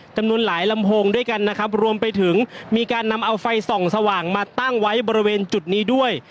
จำนวนหลายลำโพงด้วยกันนะครับรวมไปถึงมีการนำเอาไฟส่องสว่างมาตั้งไว้บริเวณจุดนี้ด้วย